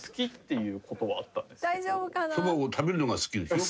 そばを食べるのが好きでしょ？